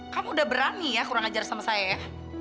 kamu udah berani ya kurang ajar sama saya ya